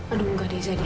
aduh enggak deh zadie